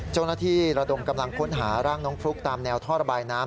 ระดมกำลังค้นหาร่างน้องฟลุ๊กตามแนวท่อระบายน้ำ